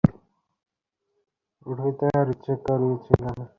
উঠিতে আর ইচ্ছা করিতেছিল না।